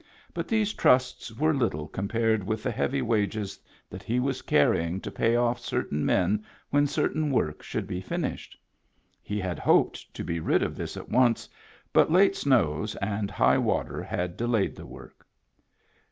But these trusts were little compared with the heavy wages that he was carrying to pay off certain men when certain work should be finished. He had hoped to be rid of this "it once, but late snows and high water had delayed the work.